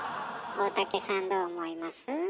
大竹さんどう思います？